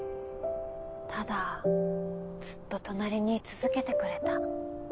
ただずっと隣に居続けてくれた。